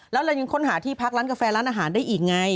แล้วเรายังค้นหาที่พักร้านกาแฟร้านอาหารได้อีกไง